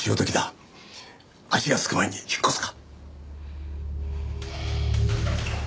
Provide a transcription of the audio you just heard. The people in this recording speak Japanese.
足が付く前に引っ越すか？